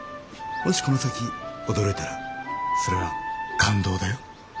もしこの先驚いたらそれは感動だよ。